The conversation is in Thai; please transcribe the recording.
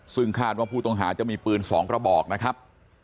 ซึ่งคาดว่าผู้ต้องหาจะมีปืน๒กระบอกนะครับ